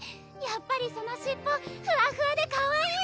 やっぱりその尻尾ふわふわでかわいい！